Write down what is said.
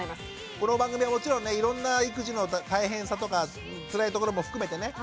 この番組はもちろんねいろんな育児の大変さとかつらいところも含めてね